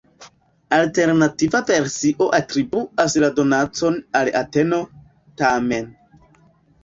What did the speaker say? Alternativa versio atribuas la donacon al Ateno, tamen.